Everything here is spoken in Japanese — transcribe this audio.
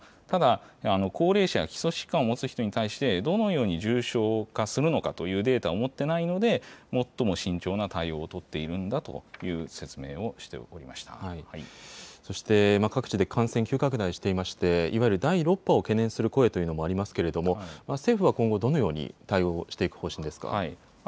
ただ、高齢者や基礎疾患を持つ人に対して、どのように重症化するのかというデータを持ってないので、最も慎重な対応を取っているそして、各地で感染急拡大しておりまして、いわゆる第６波を懸念する声というのもありますけれども、政府は今後、どのように対応していく方針ですか。